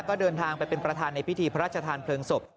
ก็เดินทางไปเป็นประธานในพิธีพระราชทานเพลิงศพ